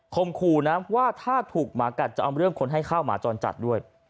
ขู่นะว่าถ้าถูกหมากัดจะเอาเรื่องคนให้ข้าวหมาจรจัดด้วย